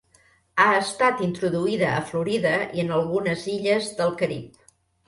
Ha estat introduïda a Florida i en algunes illes del Carib.